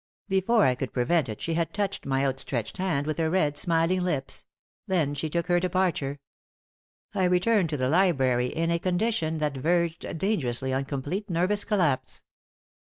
Before I could prevent it she had touched my outstretched hand with her red, smiling lips; then she took her departure. I returned to the library in a condition that verged dangerously on complete nervous collapse.